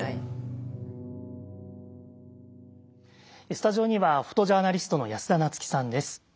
スタジオにはフォトジャーナリストの安田菜津紀さんです。